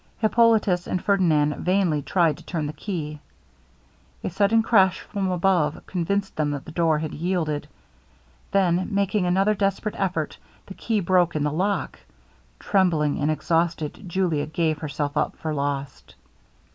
Hippolitus and Ferdinand vainly tried to turn the key. A sudden crash from above convinced them that the door had yielded, when making another desperate effort, the key broke in the lock. Trembling and exhausted, Julia gave herself up for lost.